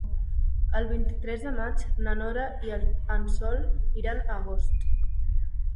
El vint-i-tres de maig na Nora i en Sol iran a Agost.